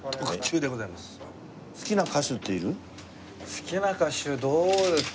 好きな歌手どうですかね。